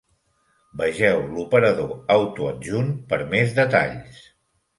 Vegeu l'operador autoadjunt per més detalls.